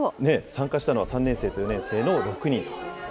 参加したのは３年生と４年生の６人。